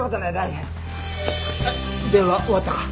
電話終わったか？